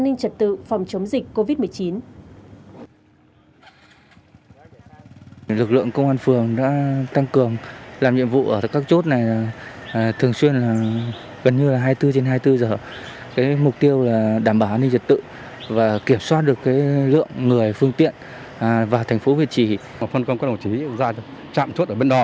nhằm đảm bảo an ninh trật tự phòng chống dịch covid một mươi chín